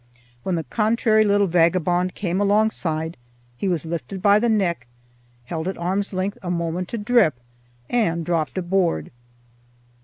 When the contrary little vagabond came alongside, he was lifted by the neck, held at arm's length a moment to drip, and dropped aboard.